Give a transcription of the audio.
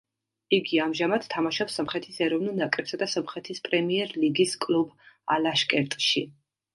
იგი ამჟამად თამაშობს სომხეთის ეროვნულ ნაკრებსა და სომხეთის პრემიერლიგის კლუბ ალაშკერტში.